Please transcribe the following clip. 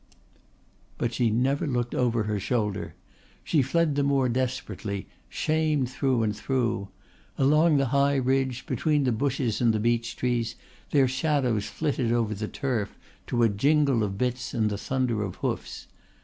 But she never looked over her shoulder. She fled the more desperately, shamed through and through! Along the high ridge, between the bushes and the beech trees, their shadows flitted over the turf, to a jingle of bits and the thunder of hoofs.